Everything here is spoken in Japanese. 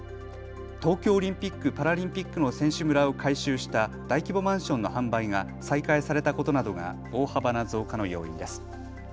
東京オリンピック・パラリンピックの選手村を改修した大規模マンションの販売が再開されたことなどが大幅な増加の要因です。